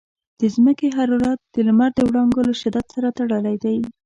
د ځمکې حرارت د لمر د وړانګو له شدت سره تړلی دی.